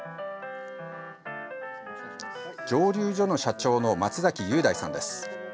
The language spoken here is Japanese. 蒸留所の社長の松崎裕大さんです。